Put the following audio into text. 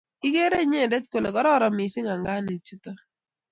Igeere inyete kole karoron mising anganik chuto